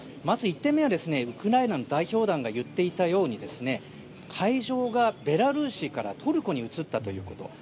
まず１点目は、ウクライナの代表団が言っていたように会場がベラルーシからトルコに移ったということ。